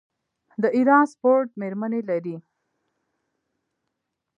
د ایران سپورټ میرمنې لري.